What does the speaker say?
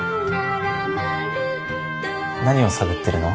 何を探ってるの？